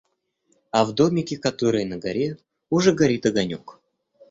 А в домике, который на горе, уже горит огонёк.